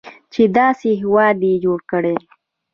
چې داسې هیواد یې جوړ کړی.